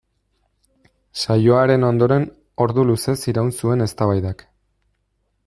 Saioaren ondoren ordu luzez iraun zuen eztabaidak.